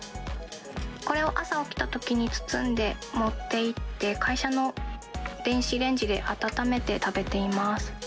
これを朝、起きたときに包んで、持っていって、会社の電子レンジで温めて食べています。